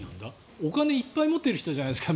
お金をたくさん持っているじゃないですか。